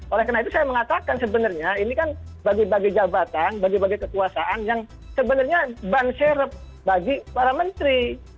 oleh karena itu saya mengatakan sebenarnya ini kan bagi bagi jabatan bagi bagi kekuasaan yang sebenarnya ban serep bagi para menteri